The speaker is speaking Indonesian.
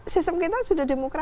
sistem kita sudah demokrasi